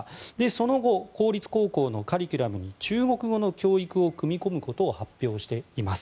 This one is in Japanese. その後公立高校のカリキュラムに中国語の教育を組み込むことを発表しています。